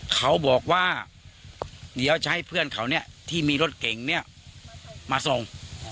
เขาบอกว่าเดี๋ยวจะให้เพื่อนเขาเนี่ยที่มีรถเก่งเนี่ยมาส่ง